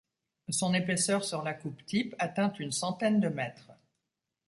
Son épaisseur sur la coupe type atteint une centaine de mètres.